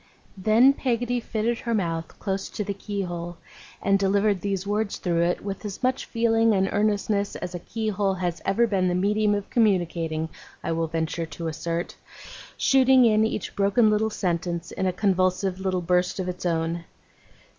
Then Peggotty fitted her mouth close to the keyhole, and delivered these words through it with as much feeling and earnestness as a keyhole has ever been the medium of communicating, I will venture to assert: shooting in each broken little sentence in a convulsive little burst of its own.